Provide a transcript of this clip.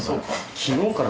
昨日から。